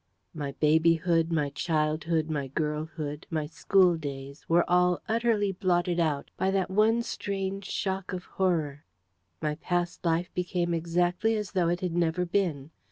My babyhood, my childhood, my girlhood, my school days were all utterly blotted out by that one strange shock of horror. My past life became exactly as though it had never been.